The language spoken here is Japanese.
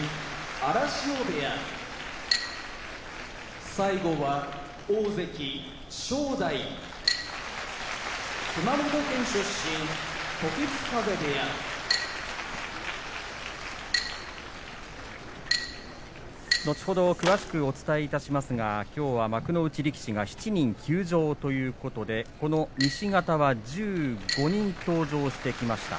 荒汐部屋大関・正代熊本県出身時津風部屋後ほど詳しくお伝えいたしますがきょうは幕内力士が７人休場ということでこの西方は１５人登場してきました。